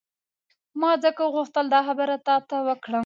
ما ځکه وغوښتل دا خبره تا ته وکړم.